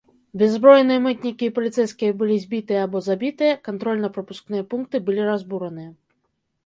Бяззбройныя мытнікі і паліцэйскія былі збітыя або забітыя, кантрольна-прапускныя пункты былі разбураныя.